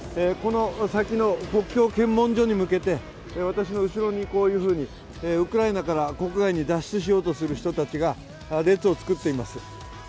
この先の国境検問所に向けて私の後ろに、ウクライナから国外に脱出しようとする人たちが列を作っています。